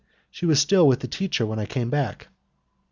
She was still with the teacher when I came back.